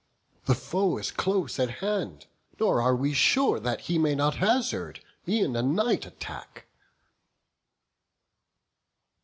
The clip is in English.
The foe is close at hand; nor are we sure He may not hazard e'en a night attack."